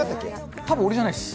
たぶん、俺じゃないっす。